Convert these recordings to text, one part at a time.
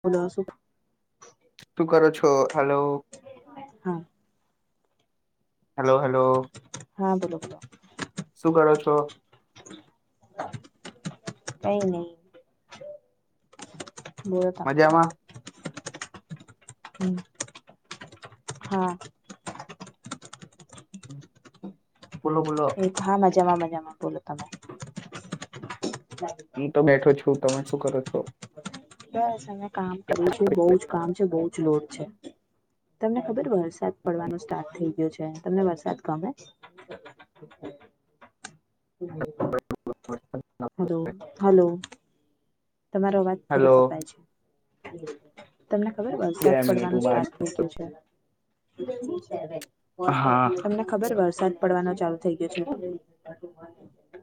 મુનાસબ શું કરો છો હલોવ હા હેલો હલો હા બોલો શું કરો છો કઈ નહી બોલો તમે મજામાં હમ હા બલો બોલો એ હા મજામાં મજામાં બોલો તમે હું તો બેઠો છું તમે શું કરો છો બસ અમે કામ કર્યું છે બહુ જ કામ છે બહ જ લોડ છે તમને ખબર વરસાદ પડવાનું સ્ટાર્ટ થઈ ગયો છે તમને વરસાદ ગમે છે? હલો હલો તમારો અવાજ થોડોક હલો કપાય છે તમને ખબર બે વરસાદ મિનિટ પડવાનું હું મારી સ્ટાર્ટ થઈ ગયું છે હા [inaudible] તમને ખબર વરસાદ પડવાનો ચાલુ થઇ ગયો છે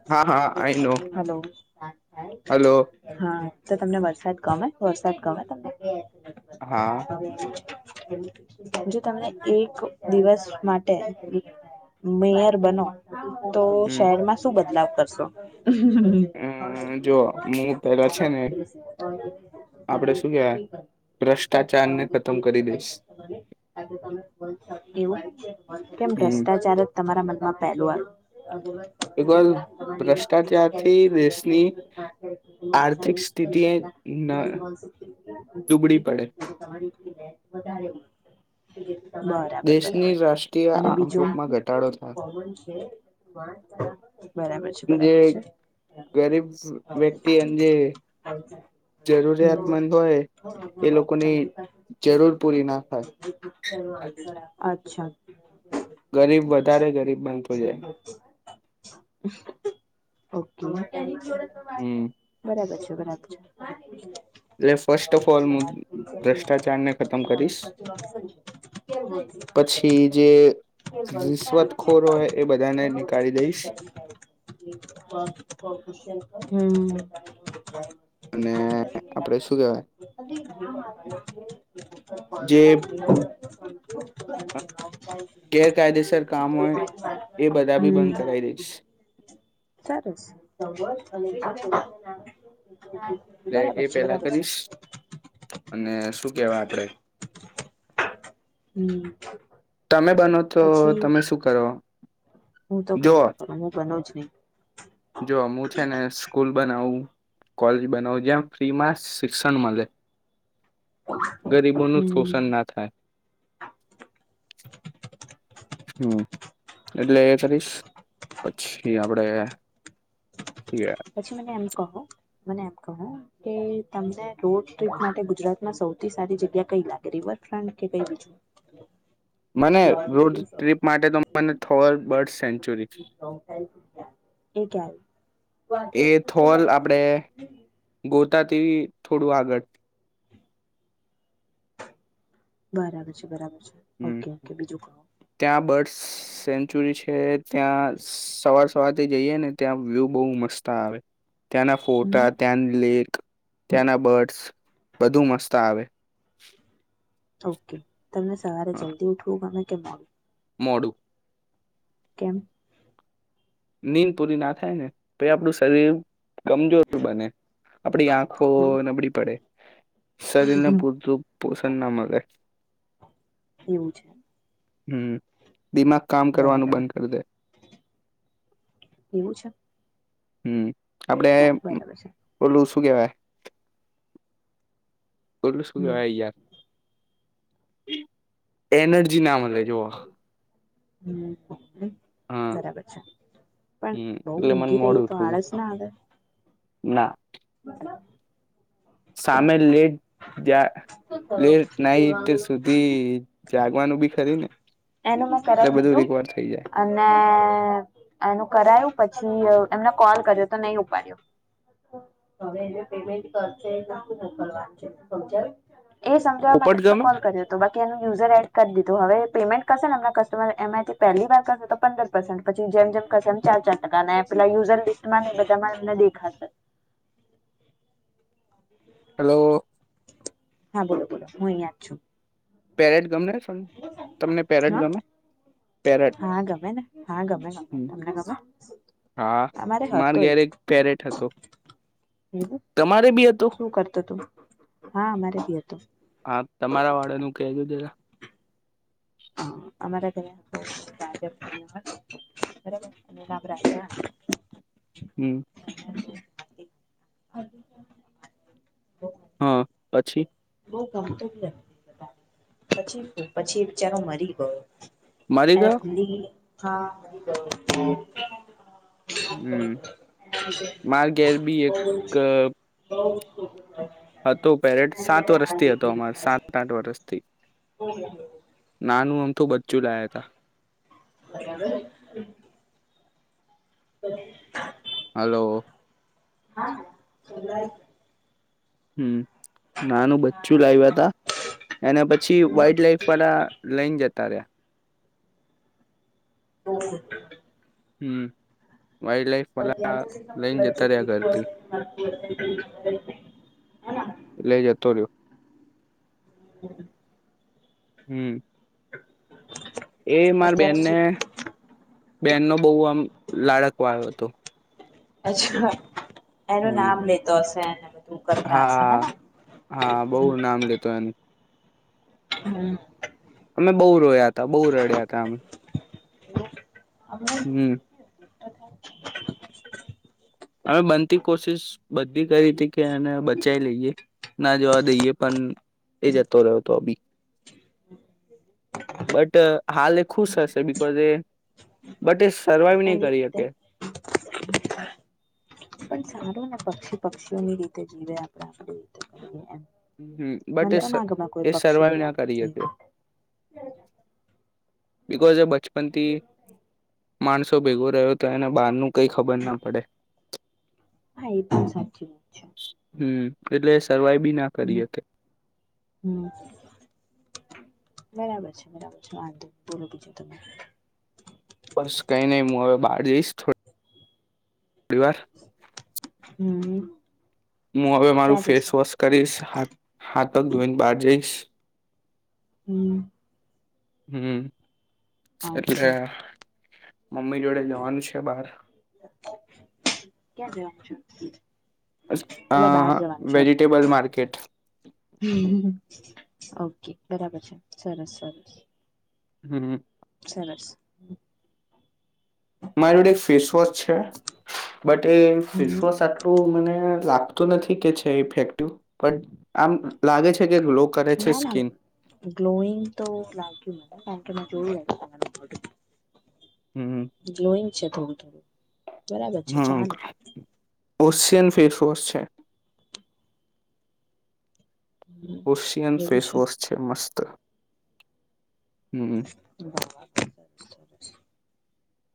હા હા આઈ નો [inaudible] હલો [inaudible] હા તો તમને વરસાદ ગમે વરસાદ ગમે તમને હા [inaudible] જો તમને એક દિવસ માટે મેયર બનો તો હમ શહેરમાં શું બદલાવ કેરસો હમ અમ જો હું [inaudible] પેલા છે ને [inaudible] આપડે કેમ શું કેવાય ભ્રષ્ટાચાર ભ્રષ્ટાચારને ખતમ કરી જ દઈશ તમારા મન હ હમ પહેલું‌ વાલુ અ એકવાર ભ્રષ્ટાચારથી દેશની [inaudible] આર્થિક સ્થિતિ એ ન દુબડી પડે વધારે મળશે બરાબર બરાબર દેશની રાષ્ટ્રીય અને બીજું આવકમાં ઘટાડો થાય કોમન છે જે બરાબર છે. ગરીબ મે અચ્છા જરૂરિયાતમંદ હોય એ લોકોની જરૂર પૂરી ના થાય અચ્છા ગરીબ વધારે ગરીબ બનતો જાય હમ [unintelligible] બરાબર છે બરાબર છે એટલે ફર્સ્ટ ઓફ ઓલ હું ભ્રષ્ટાચારને ખતમ કરીશ પછી જે રિશ્વતખોર હોય એ બધાને નીકાળી દઈશ [unintelligible] અને આપડે હમ શું કેહેવાય [unintelligible] જે [unintelligible] ગેરકાયદેસર કામ હોય એ બધા બી બંધ કરાઈ દઈશ. સરસ [inaudible] અને [inaudible] લે એ પેલા કરીશ અને શું કેહેવાય આપડે હમ્મ. તમે બનો તો તમે શું કરો? હું તો કઈ જો ના કરું હું બનો જ નહીં. જો મું છે ને સ્કૂલ બનાઉ કોલેજ બનાઉ જેમ ફ્રી માસ શિક્ષણ મલે. ગરીબોનું હમ શોષણ ના થાય. હમ એટલે એ કરીશ પછી આપડે પછી મને એમ કહો મને એમ કહો કે તમને રોડ ટ્રીપ માટે ગુજરાતમાં સૌથી સારી જગ્યા કઈ લાગે રિવરફ્રન્ટ કે કઈ બીજું? મને રોજ ટ્રીપ માટે તો મને થોર બર્ડ સેન્ચુરી. એ ક્યારે? એ [inaudible] હોતા તેવી થોડું આગળ. બરાબર છે, બરાબર. છે હમ્મ ઓકે ઓકે બીજું કહો ત્યાં બર્ડસ સેન્ચુરી છે ત્યાં સવાર સવારથી જઈએ ને ત્યાં વ્યૂ બહુ મસ્ત આવે. ત્યાંના ફોટા હમ ત્યાંન લેક ત્યાંના બર્ડ્સ બધું મસ્ત આવે ઓકે તમને સવારે જલ્દી ઉઠું ગમે કે મો મોૂડું કેમ નીંદ પૂરી ના થાય ને પઈ આપણું શરીર કમજોર બને આપડી આંખો એવું નબળી પડે શરીરને પૂરતું પોષણ ના મળે એવું છે હમ દિમાગ કામ કરવાનું બરાબર બંધ કરી દે એવું છે હમ આપડે બરાબર છે ઓલુ શું કેવાય ઓલુ શું હમ કેવાય યાર એનર્જી નામ લે જોવો હમ હમ હા બરાબર છે. પણ હમ બહુ એટલે મને ઊંઘી રહીએ મોડું તો ઉઠવું આળસ ના આવે ના મતલબ સામે લેટ જા લેટ નાઈટ સુધી જાગવાનું બી ખરી ને એનું મે એટલે સરસ બધું હતું રિકવર થઈ જાય અને ને એનું કરાયું પછી એમને કોલ કર્યો તો નહી ઉપાડ્યો. તો હવે એનું પેમેન્ટ કરશે કે શું મોકલવાનું છે કઈ સમજાયું એ સમજાવા માટે પોપટ તો ગમે કોલ કર્યો તો બાકી એનું યુઝર એડ ઈ તો હવે પેમેન્ટ કરશે ને એમના કસ્ટમર એમાંથી પહેલી વાર કરશે તો પંદર પર્સન્ટ પછી જેમ જેમ કરશે એમ ચાર ચાર ટકાને પેલા યુઝર લિસ્ટમાં ને એ બધામાં એમને દેખાશે. હલો હા બોલો બોલો હું ઈયા જ છું. પેરેટ ગમે છે તમને પેરેટ હા ગમે? પેરેટ હા ગમે ને હા ગમે ગમે હમ તમને ગમે હા અમારે માર હતો ઘેર એક પેરેટ હતો. એવું તમારે બી હતો? શું કરતો તું હા અમારે બી હતો હા તમારા વાળાનું કેજો જરા હહ અમારા ઘરે હતો [inaudible] બરાબર અને બાબરા [inaudible] હમ્મ. [inaudible] હ પછી બહુ ગમતો બી હતો એ બધાને પછી પછી એ બિચારો મરી ગયો. મરી ગયો એફ લી હા મરી ગયો [inaudible] હમ્મ માર ઘેર બી એક અહ તો ગ્ય હતો પેરેટસ સાત વર્ષથી હતો અમારે સાત આઠ વરસ. તે [inaudible] નાનું અમથું બ અને હવે [inaudible] [inaudible] હલો. હા હા સંભળાય છે. હમ્મ. નાનું બચ્ચું લાઈવા તા એને પછી વાઇલ્ડ લાઈફ વાળા લઈ ને જ તા રયા. [inaudible] હમ્મ. પર ત્યાં તો સે તમે બચ્ચું રહ્યા જીતુ હશે ઘરથી કે મરતું હશે [inaudible] હેના? એટલે જતો રહ્યો હમ્મ. હમ્મ. એ માર અત્યાર તો બેનને બેનનો બહુ આમ લાડક વાળો હતો. અચ્છા. એનું હમ નામ લેતો હશે. બધું કરતા હશે હા હેના હા બહુ નામ લેતો એનું હમ્મ મે બહુ રોયા તા બહુ રડ્યા હતા અમે હમને હમ અમે બનતી કોશિશ બધી કરી હતી કે એને બચાવ લઈએ ના જોવા દઈએ પણ એ જતો રહ્યોતો અ બી બટ હાલ એ ખુશ હશે બિકઝ એ બટ એ સર્વાઈવ નહી એની કરી રીતે હકે પણ સારું ને પક્ષી પક્ષીઓની રીતે જીવે આપણે આપ રીતે કરીએ એમ હમ્મ બટ મને તો એ ના ગમે કોઈ એ સર્વાઈવ પક્ષી ના આમ કરી એવું શકે બિકઝ એ બચપનથી માણસો ભેગો રહ્યો હતો એને બહારનું કઈ ખબર ના પડે હા એ પણ સાચી વા છે. હમ્મ એટલે સરવાઈ બી ના હમ કરી હકે હમ બરાબર છે બરાબર છે મા બોલો બીજ ત બસ કઈ નહી હું હવે બહાર જઈશ બે વાર હમ્મ. હું હવે મારું ફેસ વોશ કરીશ હા હાથક ધોઈને બહાર જઈશ. હમ્મ. હમ્મ. અચ્છા એટલે મમ્મી જોડે જવાનું છે બાહર. ક્યાં જવાનું છે? એસ એટલે બહાર અહ જવાનું છે વેજિટેબલ માર્કેટ. એમ ઓકે બરાબર છે સરસ સરસ. હમ્મ. સરસ. મારી હૂડે ફેસ વોશ છે બટ એ ફેસ હમ વોશ આટલું મને લાગ ગતું નથી કે છે ઇફેક્ટિવ બટ આમ લાગે છે કે ગ્લો કરે છે ના ના સ્કીન ગ્લોઈંગ તો લાગીયું મને કાઈ મેં જોયું હમ એ [inaudible] ગ્લોઈંગ છે થોડું થોડું બરાબર છે હમ્મ ચાલે ઓશયન ફેસ વશ છે ઓશિયન ફેસ વશ છે મસ્ત હમ્મ સરસ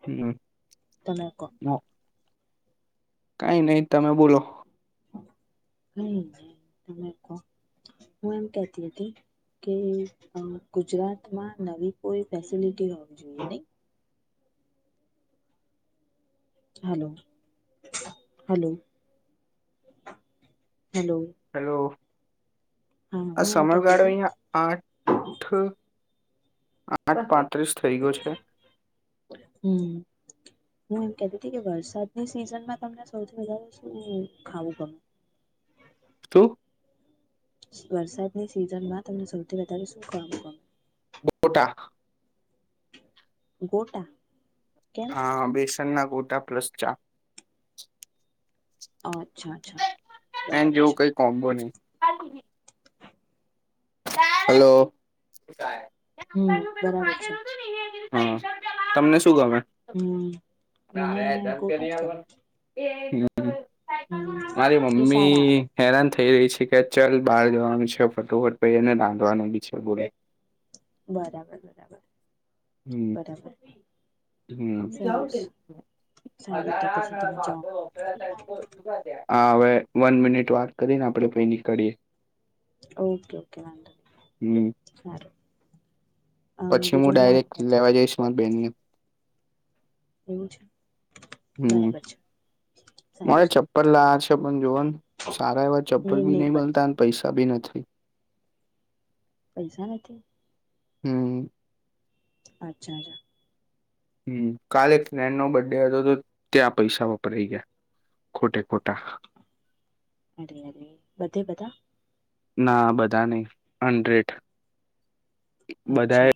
હમ્મ તમે કહો ન કઈ નહી તમે બોલો હું એમ કેતી હતી કે ગુજરાતમાં નવી કોઈ ફેસિલિટી હોવી જોઈએ નહી હલો હલો. હલો હેલો હા આ હું એમ કેતી સમયગાળો હતી અહીં આઠ [unintelligible] પા ત્રીસ થઈ ગયો છે. હમ હું એમ કતી હતી કે વરસાદની સિઝનમાં તમને સૌથી વધારે શું ખાવું ગમે. તો વરસાદની સિઝન માં તમને સૌથી વધારે શું કામું ગમે બોટા ગોટા કેમ? હા બેસ ના ગોટા પ્લસ ચા અ એ જોવું કઈ કોમ્બો નહી. [inaudible] હલો એ હમ નુકસાન નું પહેલું બરાબર છે ભાગેલું હતું ને પેલો હા તમને શું ગમે હમ્મ મને કોટા જ ગમે. મારી હમ એ સારા આવે મમ્મી હેરાથ થઈ રહી છે કે ચલ બહાર જવાનું છે ફટોફટ પઈ અને નામ જોવાનું બી છે બોલો બરાબર બરાબર. હમ્મ બરાબર સરસ સારું તો પછી તમે જાઓ વન મિનિટ વાક કરીને આપડે પ નીકળીએ ઓકે ઓકે નો હમ માર પછી હું ડાયરેક્ટ લેવા જઈસ મારા બેેનને એવું છે. હમ્મ. બરાબર છે મારે સારું સારું ચપ્પલ લાયા છે પણ જોવા ને સારા એવા ચપ્પલ નીર બી નહી નઈ પડતું બનતા ને પૈસા ભી ન થી. પૈસા નથી? હમ્મ. અચ્છા રેયા. હમ્મ કાલે એક ફ્રેન્ડ નો બર્ડે હતો તો ત્યાં પૈસા વપરાય ગયા ખોટે ખોટા. અરે અરે બધે બધા? ના બધા નહી. હંડ્રેડ. અચ્છા.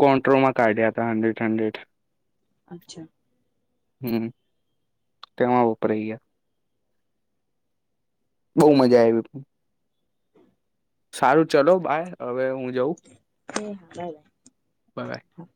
કોન્ટ્રો માં કાઢ્યા હતા હંડ્રેડ હંડ્રેડ. અચ્છા. હમ્મ, તેમાં વપરાઈ ગયા. બઉ મજા આઈવી પણ. સારું ચલો બાય હવે હું જઉં બાય એ હા, બાય બાય. બાય હા.